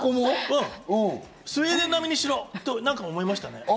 スウェーデン並みにしろ！と思いましたね。